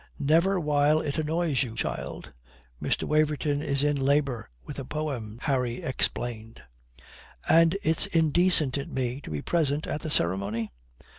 "Never while it annoys you, child." "Mr. Waverton is in labour with a poem," Harry explained. "And it's indecent in me to be present at the ceremony?